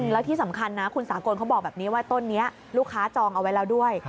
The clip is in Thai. แล้วที่สำคัญนะคุณสากลเขาบอกแบบนี้ว่าต้นนี้ลูกค้าจองเอาไว้แล้วด้วย